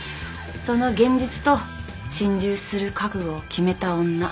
その現実と心中する覚悟を決めた女